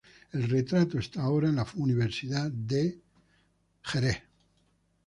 El retrato está ahora en la Universidad de Furman.